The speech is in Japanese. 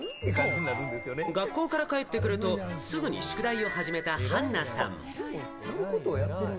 学校から帰ってくると、すぐに宿題を始めた、はんなさん。